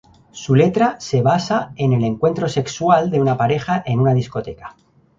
Su letra se basa en el encuentro sexual de una pareja en una discoteca.